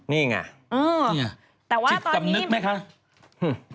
นี่ไงเจ๊นี่ไงโจทย์ธรรมนึกไหมคะเอ้อฮืม